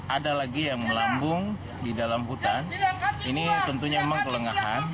ada lagi yang melambung di dalam hutan ini tentunya memang kelengahan